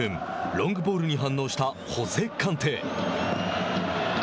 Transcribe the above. ロングボールに反応したホセ・カンテ。